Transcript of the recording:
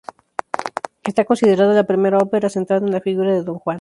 Está considerada la primera ópera centrada en la figura de Don Juan.